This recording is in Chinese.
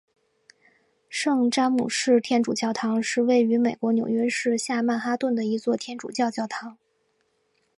圣詹姆士天主教堂是位于美国纽约市下曼哈顿的一座天主教教堂。